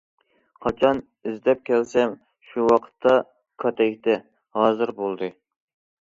قاچان ئىزدەپ كەلسەم شۇ ۋاقىتتا كاتەكتە« ھازىر» بولدى.